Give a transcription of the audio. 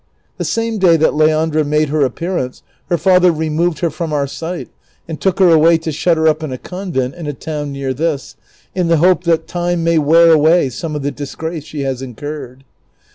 The same day that Leandra made her appearance lier father removed her from our sight and took her away to shut her up in a convent in a town near this, in the hope that time may wear away some of the disgrace she has incurred.